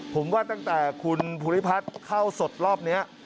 ผมว่าตั้งแต่คุณภูริพัฒน์เข้าสดรอบนี้